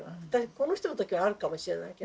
この人の時はあるかもしれないけど。